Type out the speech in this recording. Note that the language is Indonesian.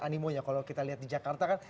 animonya kalau kita lihat di jakarta kan